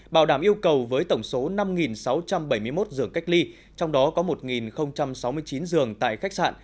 bảo đảm yêu cầu với tổng số năm sáu trăm bảy mươi một giường cách ly trong đó có một sáu mươi chín giường tại khách sạn